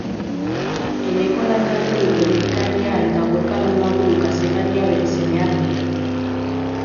Eneko Landaburu politikaria eta Gorka Landaburu kazetaria bere semeak dira.